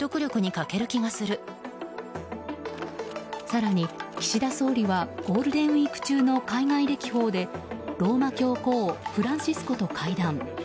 更に、岸田総理はゴールデンウィーク中の海外歴訪でローマ教皇フランシスコと会談。